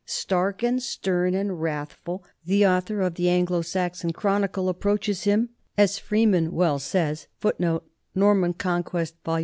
Stark and stern and wrathful, the author of the Anglo Saxon Chronicle approaches him, as Freeman well says, 1 "with 1 Norman Conquest, n, p.